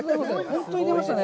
本当に出ましたね。